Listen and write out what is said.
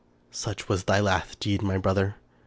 Such was thy last deed, my brother!